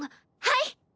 はい。